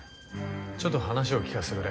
ちょっと話を聞かせてくれ。